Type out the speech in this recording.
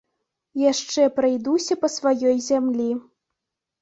Яшчэ прайдуся па сваёй зямлі.